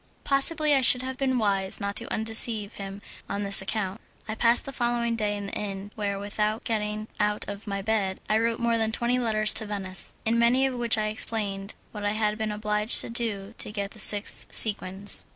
Possibly I should have been wise not to undeceive him on this account. I passed the following day in the inn, where, without getting out of my bed, I wrote more than twenty letters to Venice, in many of which I explained what I had been obliged to do to get the six sequins.